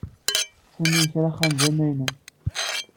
Sami yekra axxam d amaynu.